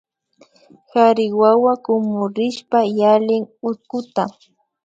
Kari wawa kumurishpa yalin hutkuta